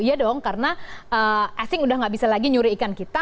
iya dong karena asing udah nggak bisa lagi nyuri ikan kita